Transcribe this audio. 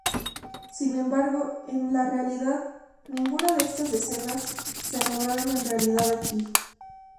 Sin embargo, en la realidad, ninguna de estas escenas se rodaron en realidad aquí.